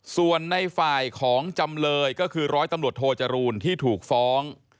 ส่วนในฝ่ายของจำเลยก็คือร้อยตำรวจโทจรูลที่ถูกฟ้อง